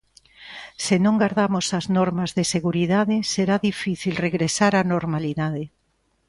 Se non gardamos as normas de seguridade, será difícil regresar á normalidade.